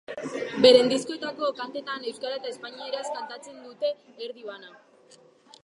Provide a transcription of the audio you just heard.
Beren diskoetako kantetan euskara eta espainieraz kantatzen dute erdi bana.